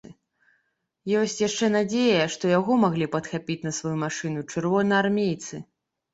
Ёсць яшчэ надзея, што яго маглі падхапіць на сваю машыну чырвонаармейцы.